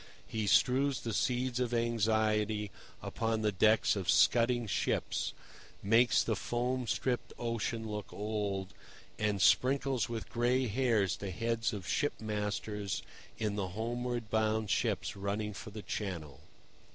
He strews the seeds of anxiety upon the decks of scudding ships, makes the foam stripped ocean look old, and sprinkles with gray hairs the heads of ship masters in the homeward bound ships running for the Channel.